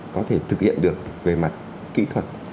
có thể thực hiện được về mặt kỹ thuật